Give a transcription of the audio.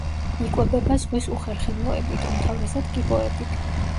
იკვებება ზღვის უხერხემლოებით, უმთავრესად კიბოებით.